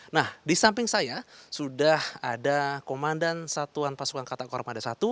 nah di samping saya sudah ada komandan satuan pasukan kata kormada satu